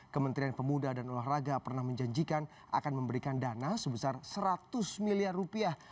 kementerian pemuda dan olahraga pernah menjanjikan akan memberikan dana sebesar seratus miliar rupiah